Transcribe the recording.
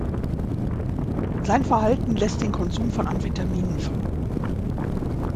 Sein Verhalten lässt den Konsum von Amphetaminen vermuten.